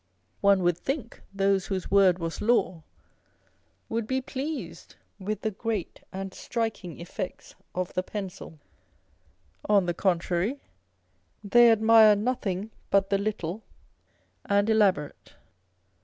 One would think those whose word was law would be pleased with the great and striking effects of the pencil ;' on the contrary, they admire nothing but the little and elaborate.